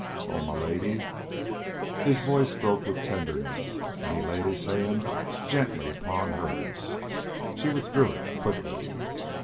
Oh, my Lady!" His voice broke with tenderness, and he laid his hand gently upon hers. She withdrew it quickly.